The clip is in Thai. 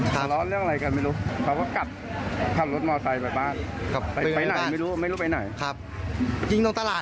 เขาก็ไปไม่มีทีท่ามันแปลกแปลกคล้ายปกติอ่ะเขาก็ไปเขา